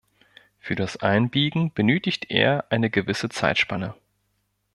Für das Einbiegen benötigt er eine gewisse Zeitspanne.